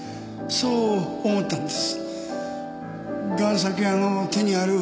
そう思ったんです。